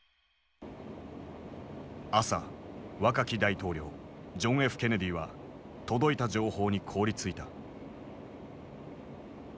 朝若き大統領ジョン・Ｆ・ケネディは届いた情報に凍りついた。